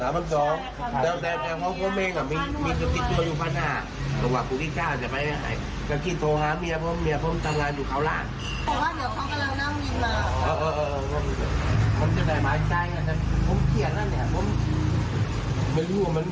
เพราะว่าเขากำลังนั่งเงินมา